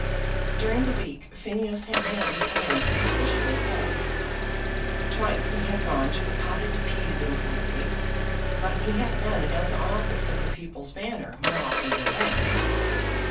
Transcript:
During the week Phineas had had his hands sufficiently full. Twice he had gone to the potted peas inquiry; but he had been at the office of the People's Banner more often than that.